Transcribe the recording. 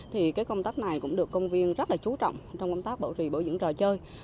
thì cái công tác này cũng được công viên rất là chú trọng trong công tác bảo trì bảo dưỡng trò chơi